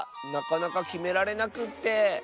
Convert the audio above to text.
なかなかきめられなくって。